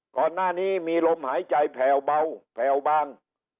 ก่อนหน้านี้มีลมหายใจแผ่วเบาแผ่วบาง